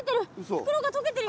袋が溶けてるよ！